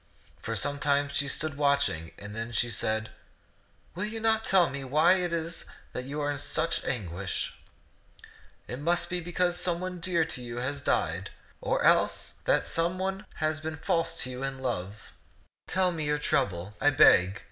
For some time she stood watching, then she said, "Will you not tell me w^hy it is that you are in such anguish ? It must be because some one dear to you has died, or else that some one has been false to you in love. Tell me your trouble, I beg.